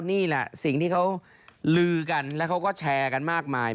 นี่แหละสิ่งที่เขาลือกันแล้วเขาก็แชร์กันมากมาย